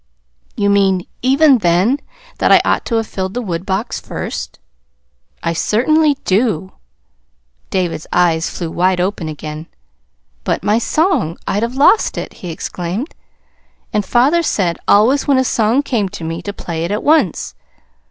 "You mean even then that I ought to have filled the woodbox first?" "I certainly do." David's eyes flew wide open again. "But my song I'd have lost it!" he exclaimed. "And father said always when a song came to me to play it at once.